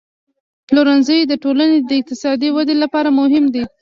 پلورنځی د ټولنې د اقتصادي ودې لپاره مهم دی.